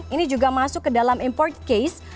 ini juga masuk ke dalam import case